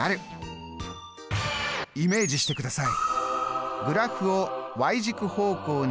イメージしてください！